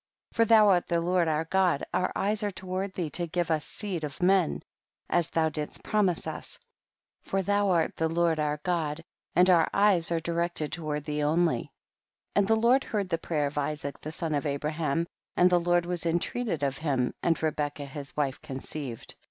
7. For thou art the Lord our God, oiu' eyes are toward thee to give us seed of men, as thou didst promise us, for thou art the Lord our God and our eyes are directed toward thee ordij. 8. And the Lord heard the prayer of Isaac the son of Abraham, and the Lord was intreatcd of him and Re becca his wife conceived.